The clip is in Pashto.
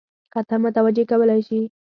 خطر متوجه کولای شي.